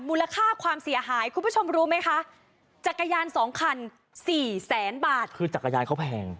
มูลค่าความเสียหายคุณผู้ชมรู้ไหมคะจักรยานสองคันสี่แสนบาทคือจักรยานเขาแพง